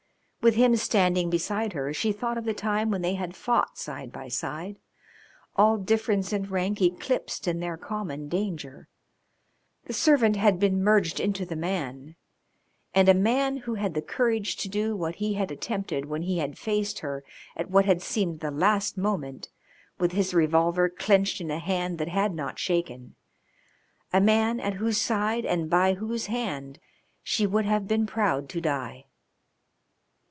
With him standing beside her she thought of the time when they had fought side by side all difference in rank eclipsed in their common danger. The servant had been merged into the man, and a man who had the courage to do what he had attempted when he had faced her at what had seemed the last moment with his revolver clenched in a hand that had not shaken, a man at whose side and by whose hand she would have been proud to die.